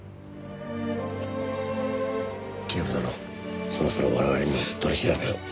警部殿そろそろ我々にも取り調べを。